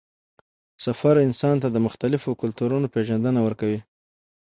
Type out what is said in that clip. سفر انسان ته د مختلفو کلتورونو پېژندنه ورکوي